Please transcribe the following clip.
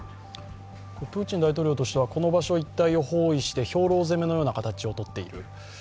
プーチン大統領としてはこの場所一帯を包囲して兵糧攻めのような形をとっている。